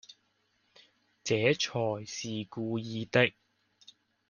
這才是故意的